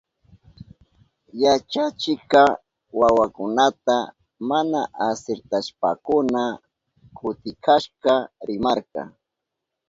Yachachikka wawakunata mana asirtashpankuna kutikashka rimarka.